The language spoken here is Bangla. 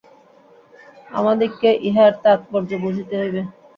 আমাদিগকে ইহার তাৎপর্য বুঝিতে হইবে।